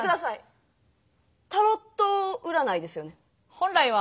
本来は。